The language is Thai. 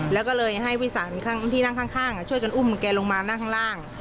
แล้วก็เลยให้วิสานที่นั่งข้างช่วยกันอุ้มแกลงมานั่งข้างล่าง